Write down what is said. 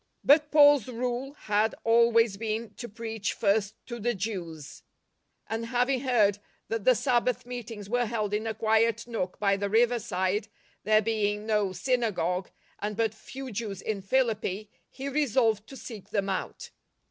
But Paul's rule had always been to preach first to the Jews, and having heard that the Sabbath meetings were held in a quiet nook by the riverside, there being no synagogue and but few Jews in Philippi, he resolved to seek them out.